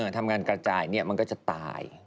ทำงานกระจายมันก็จะตาย